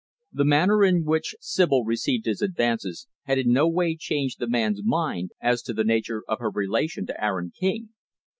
The manner in which Sibyl received his advances had in no way changed the man's mind as to the nature of her relation to Aaron King.